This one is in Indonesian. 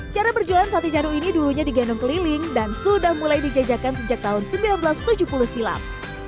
cara berjualan sate jadul ini dulunya digendong keliling dan sudah mulai dijajakan sejak tahun seribu sembilan ratus tujuh puluh silam